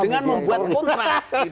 dengan membuat kontras